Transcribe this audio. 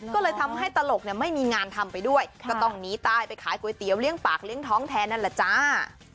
ก็เลยทำให้ตลกเนี่ยไม่มีงานทำไปด้วยก็ต้องหนีตายไปขายก๋วยเตี๋ยเลี้ยปากเลี้ยงท้องแทนนั่นแหละจ้า